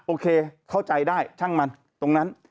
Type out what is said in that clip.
โอเคเข้าใจได้ช่างมันตรงนั้น